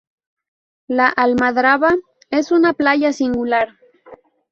La Almadraba es una playa singular.